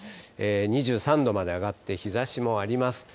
２３度まで上がって日ざしもあります。